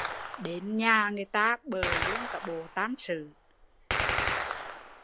Đến nhà người ta bợ luôn cả bộ tam sự